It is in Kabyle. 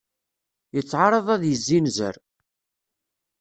Yettεaraḍ ad yezzinzer.